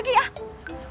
pilek lagi ya